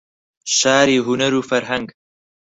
شاری هونەر و فەرهەنگ